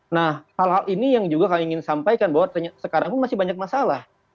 nah hal hal ini yang juga kami ingin sampaikan bahwa sekarang pun masih banyak masalah